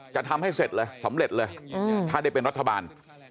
จะทำให้เสร็จเลยสำเร็จเลยถ้าได้เป็นรัฐบาล